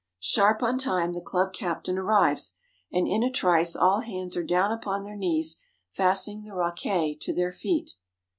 Sharp on time the club captain arrives, and in a trice all hands are down upon their knees fastening the raquets to their feet.